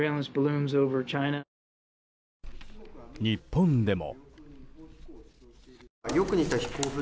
日本でも。